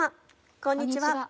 こんにちは。